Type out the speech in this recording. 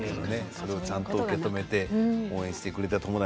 それをちゃんと受け止めて応援してくれた友達